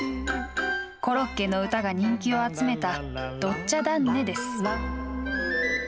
「コロッケの唄」が人気を集めた「ドッチャダンネ」です。